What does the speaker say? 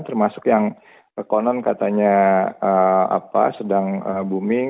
termasuk yang konon katanya sedang booming